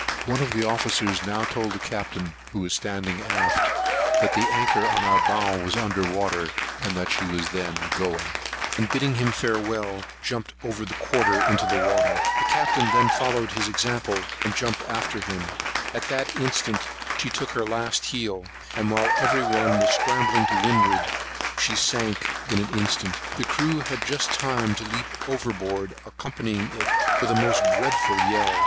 One of the officers now told the Captain, who was standing aft, that the anchor on our bow was under water; that she was then going; and, bidding him farewell, jumped over the quarter into the water. The Captain then followed his example, and jumped after him. At that instant she took her last heel; and, while every one were scrambling to windward, she sunk in an instant. The crew had just time to leap over board, accompanying it with a most dreadful yell.